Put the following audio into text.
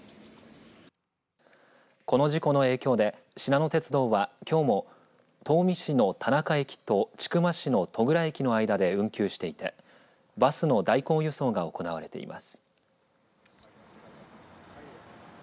この事故の影響でしなの鉄道は、きょうも東御市の田中駅と千曲市の戸倉駅の間で運休していてバスの代行輸送が行われています。